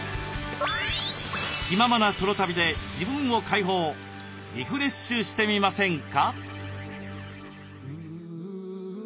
気ままなソロ旅で自分を解放リフレッシュしてみませんか？